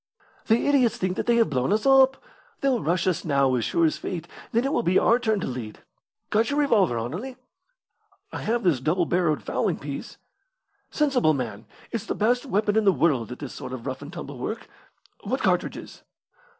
"The idiots think that they have blown us up. They'll rush us now, as sure as fate; then it will be our turn to lead. Got your revolver, Anerley?" "I have this double barrelled fowling piece." "Sensible man! It's the best weapon in the world at this sort of rough and tumble work. What cartridges?"